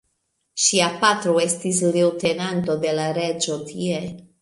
Ŝia patro estis leŭtenanto de la reĝo tie.